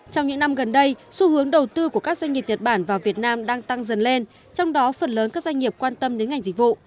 trong những năm gần đây xu hướng đầu tư của các doanh nghiệp nhật bản vào việt nam đang tăng dần lên trong đó phần lớn các doanh nghiệp quan tâm đến ngành dịch vụ